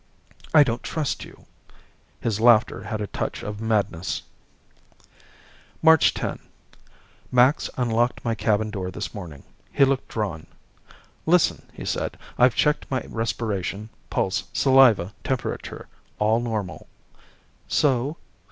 "I don't trust you." His laughter had a touch of madness. March 10 Max unlocked my cabin door this morning. He looked drawn. "Listen," he said. "I've checked my respiration, pulse, saliva, temperature. All normal." "So?"